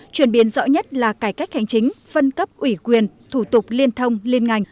chuyển biến rõ nhất là cải cách hành chính phân cấp ủy quyền thủ tục liên thông liên ngành